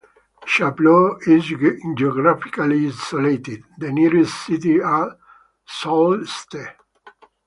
Chapleau is geographically isolated; the nearest cities are Sault Ste.